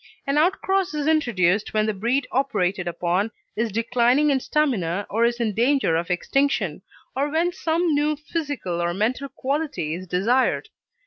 An outcross is introduced when the breed operated upon is declining in stamina or is in danger of extinction, or when some new physical or mental quality is desired.